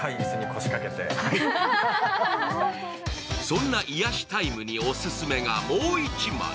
そんな癒やしタイムにオススメがもう１枚。